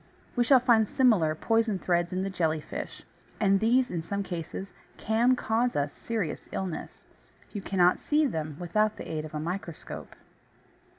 We shall find similar poison threads in the Jelly fish; and these, in some cases, can cause us serious illness. You cannot see them without the aid of a microscope.